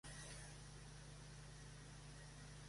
Además de metalcore, emo y hardcore punk.